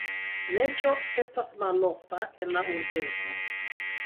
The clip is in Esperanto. Neĝo estas malofta en la urbego.